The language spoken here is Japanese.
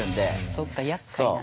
そっかやっかいなんだ。